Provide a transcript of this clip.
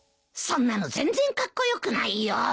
そんなの全然カッコ良くないよ！